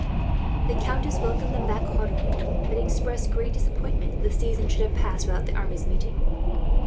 The countess welcomed them back heartily, but expressed great disappointment that the season should have passed without the armies meeting.